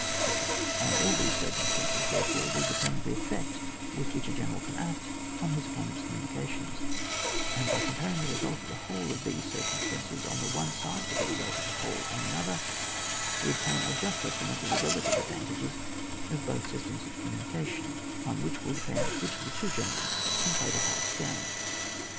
etc. On all these circumstances, therefore, will depend the effect with which a general can act on his opponent's com munications ; and by comparing the re sult of the whole of these circumstances on the one side with the result of the whole on the other, we obtain a just esti mate of the relative advantages of both systems of communication, on which will depend which of the two generals can play the highest game.